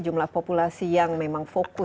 jumlah populasi yang memang fokus